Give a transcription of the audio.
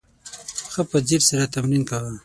ښه په ځیر سره تمرین کوه !